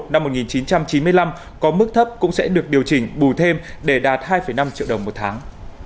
năm một nghìn chín trăm chín mươi năm có mức thấp cũng sẽ được điều chỉnh bù thêm để đạt hai năm triệu đồng một tháng